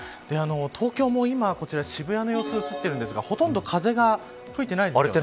東京も今、こちら渋谷の様子が映ってるんですがほとんど風が吹いてないですね。